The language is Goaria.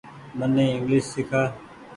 مني انگليش سيڪآ۔